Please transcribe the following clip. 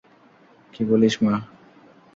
কী বলিস মা?